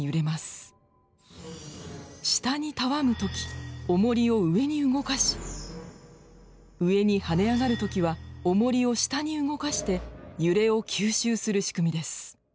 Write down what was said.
下にたわむ時おもりを上に動かし上に跳ね上がる時はおもりを下に動かして揺れを吸収する仕組みです。